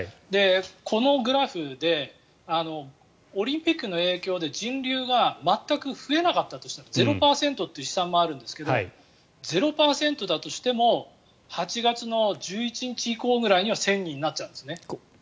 このグラフでオリンピックの影響で人流が全く増えなかったとしても０％という試算もあるんですが０％だとしても８月１１日以降ぐらいには１０００人になっちゃうんですね。